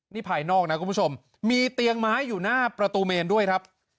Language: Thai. นี่ภายนอกนะคุณผู้ชมมีเตียงไม้อยู่หน้าประตูเมนด้วยครับ